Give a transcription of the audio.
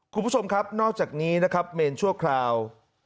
คุณผู้ชมครับนอกจากนี้นะครับเมนชั่วคราว